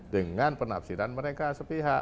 dengan penafsiran mereka sepihak